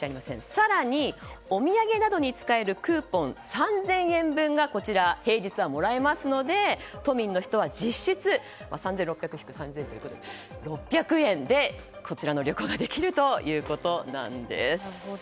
更にお土産などに使えるクーポン３０００円分が平日はもらえますので都民の人は実質３６００引く３０００ということで６００円でこちらの旅行ができるということなんです。